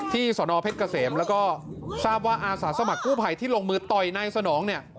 สนเพชรเกษมแล้วก็ทราบว่าอาสาสมัครกู้ภัยที่ลงมือต่อยนายสนองเนี่ย